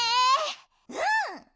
うん！